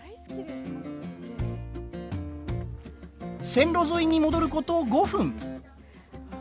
線路沿いに戻ること５分。